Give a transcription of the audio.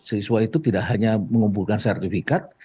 siswa itu tidak hanya mengumpulkan sertifikat